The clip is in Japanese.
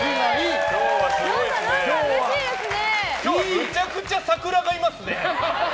めちゃくちゃサクラがいますね。